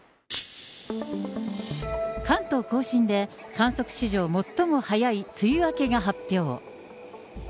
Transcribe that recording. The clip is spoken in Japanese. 関東甲信で観測史上最も早い梅雨明けが発表。